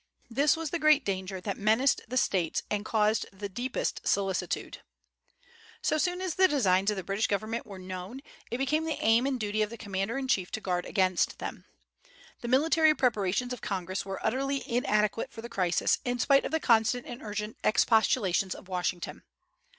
This was the great danger that menaced the States and caused the deepest solicitude. So soon as the designs of the British government were known, it became the aim and duty of the commander in chief to guard against them. The military preparations of Congress were utterly inadequate for the crisis, in spite of the constant and urgent expostulations of Washington.